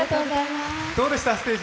どうでした、ステージ。